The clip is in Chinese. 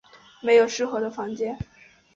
没有适合的房间